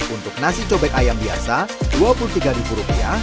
untuk nasi cobek ayam biasa rp dua puluh tiga